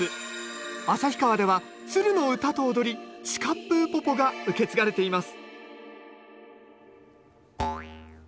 旭川ではツルの唄と踊り「チカップ・ウポポ」が受け継がれています